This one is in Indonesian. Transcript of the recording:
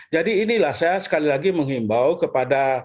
jadi inilah saya sekali lagi menghimbau kepada